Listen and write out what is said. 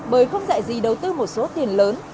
bởi không dạy gì đầu tư một số tiền lớn